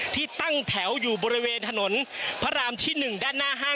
ที่ตั้งแถวอยู่บริเวณถนนพระรามที่๑ด้านหน้า๕